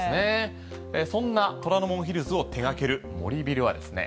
そんな虎ノ門ヒルズを手がける森ビルはですね